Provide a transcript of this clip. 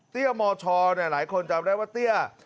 เตี้ยมอลชอหลายคนจำได้ว่าเตี้ย